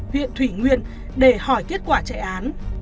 huyện thủy nguyên để hỏi kết quả chạy án